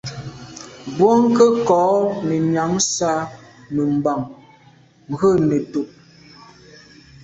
Bwɔ́ŋkə́ʼ kɔ̌ nə̀ nyǎŋsá nú mbàŋ rə̌ nə̀tùp.